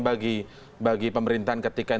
bagi pemerintahan ketika